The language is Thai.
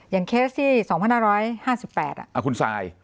อย่างเคสที่๒๕๕๘คุณทราย